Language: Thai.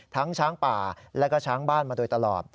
ช้างป่าและก็ช้างบ้านมาโดยตลอด